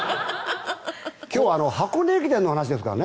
今日、箱根駅伝の話ですからね。